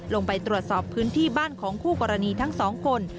ลงไปตรวจสอบพื้นที่บ้านของคู่กรณีทั้งสองคน